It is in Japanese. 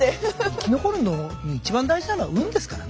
生き残るのに一番大事なのは運ですからね。